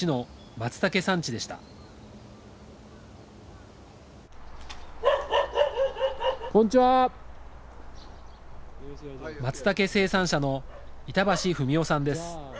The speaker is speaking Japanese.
マツタケ生産者の板橋文夫さんです。